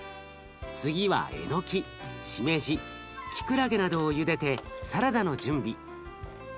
次はえのきしめじきくらげなどをゆでてサラダの準備。